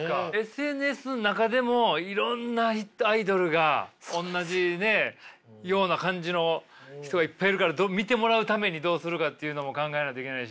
ＳＮＳの中でもいろんなアイドルがおんなじような感じの人がいっぱいいるから見てもらうためにどうするかっていうのも考えないといけないし。